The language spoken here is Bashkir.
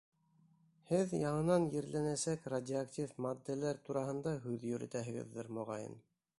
Һеҙ яңынан ерләнәсәк радиоактив матдәләр тураһында һүҙ йөрөтәһегеҙҙер, моғайын.